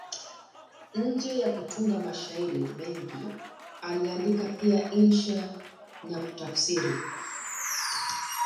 Nje ya kutunga mashairi mengi, aliandika pia insha na kutafsiri.